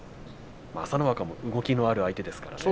朝乃若も動きがある力士ですからね。